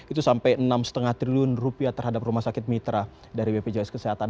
itu sampai enam lima triliun rupiah terhadap rumah sakit mitra dari bpjs kesehatan